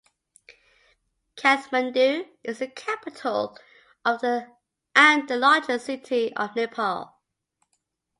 Kathmandu is the capital and the largest city of Nepal.